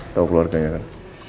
tau keluarganya kan